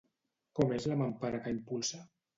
Com és la mampara que impulsa?